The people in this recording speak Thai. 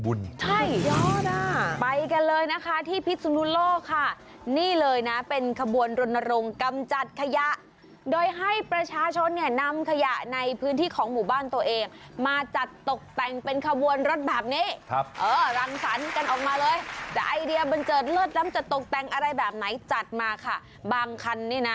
อู๋เหมือนวันคริสต์มาสเจดีวัสอะไรก็ว่ากันไป